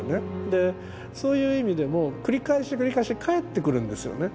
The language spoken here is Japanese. でそういう意味でも繰り返し繰り返し帰ってくるんですよね。